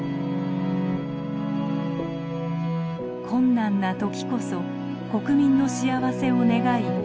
困難な時こそ国民の幸せを願い